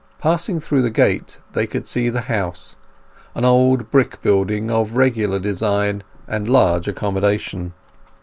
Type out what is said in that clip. Passing through the gate they could see the house, an old brick building of regular design and large accommodation.